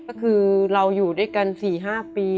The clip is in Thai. ก็คือเราอยู่ด้วยกัน๔๕ปี